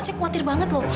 saya khawatir banget loh